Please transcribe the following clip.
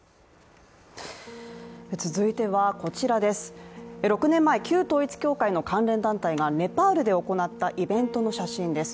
続いては、６年前、旧統一教会の関連団体がネパールで行ったイベントの写真です。